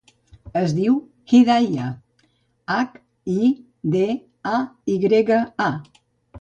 Es diu Hidaya: hac, i, de, a, i grega, a.